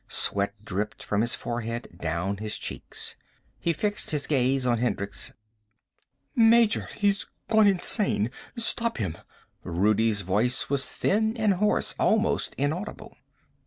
Sweat dripped from his forehead, down his cheeks. He fixed his gaze on Hendricks. "Major, he's gone insane. Stop him." Rudi's voice was thin and hoarse, almost inaudible.